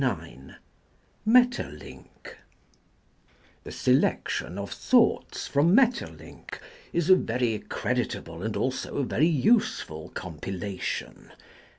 MAETERLINCK THE selection of *' Thoughts from Maeterlinck" is a very creditable and also a very useful compilation.